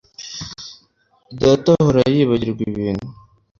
Data ahora yibagirwa ibintu